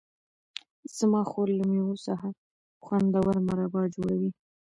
زما خور له مېوو څخه خوندور مربا جوړوي.